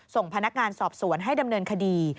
ส่งพนักงานสอบสวนให้ดำเนินคดี